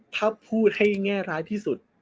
ถ้าพูดให้แง่ร้ายที่สุด